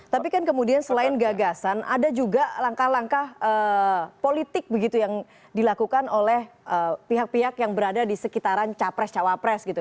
tapi kan kemudian selain gagasan ada juga langkah langkah politik begitu yang dilakukan oleh pihak pihak yang berada di sekitaran capres cawapres gitu